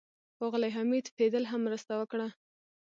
ښاغلي حمید فیدل هم مرسته وکړه.